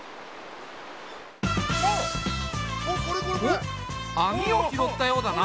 おっ網を拾ったようだな。